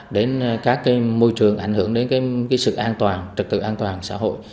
đến các môi trường ảnh hưởng đến sự an toàn trực tượng an toàn xã hội